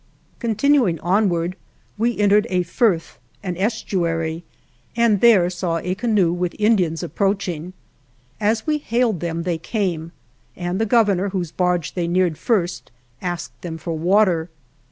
Continuing onward, we entered a firth and there saw a canoe with Indians ap proaching. As we hailed them they came, and the Governor, whose barge they neared first, asked them for water.